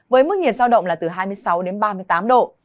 với mức nhiệt giao động là từ hai mươi sáu đến ba mươi tám độ